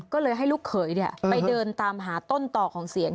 ก็เลยให้ลูกเขยไปเดินตามหาต้นต่อของเสียง